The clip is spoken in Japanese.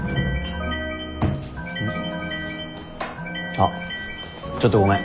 あっちょっとごめん。